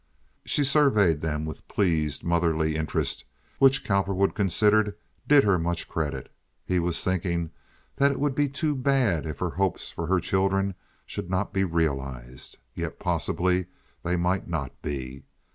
She surveyed them with pleased motherly interest, which Cowperwood considered did her much credit. He was thinking that it would be too bad if her hopes for her children should not be realized. Yet possibly they might not be.